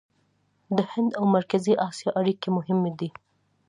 د هند او مرکزي اسیا اړیکې مهمې دي.